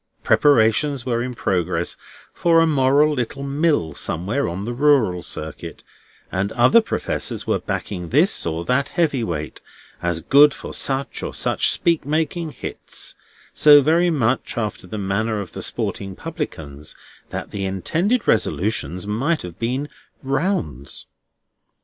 Preparations were in progress for a moral little Mill somewhere on the rural circuit, and other Professors were backing this or that Heavy Weight as good for such or such speech making hits, so very much after the manner of the sporting publicans, that the intended Resolutions might have been Rounds.